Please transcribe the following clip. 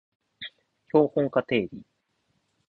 標本化定理